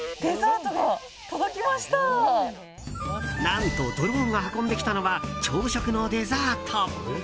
何とドローンが運んできたのは朝食のデザート。